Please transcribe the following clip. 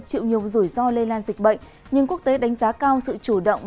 chịu nhiều rủi ro lây lan dịch bệnh nhưng quốc tế đánh giá cao sự chủ động